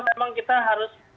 memang kita harus